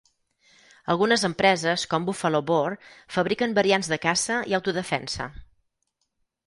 Algunes empreses, com Buffalo Bore, fabriquen variants de caça i autodefensa.